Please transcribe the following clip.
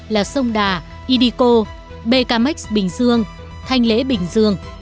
là sông đà idco bkmx bình dương thanh lễ bình dương